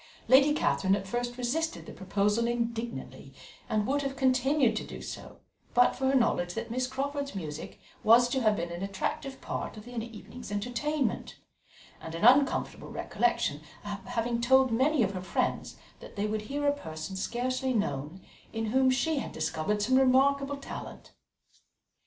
Lady Catherine at first resisted the proposal indignantly, and would have continued to do so but for her knowledge that Miss Crawford's music was to have been an attractive part of the evening's entertainment, and an uncomfortable recollection of having told many of her friends that they would hear a person scarcely known, in whom she had discovered some remarkable talent.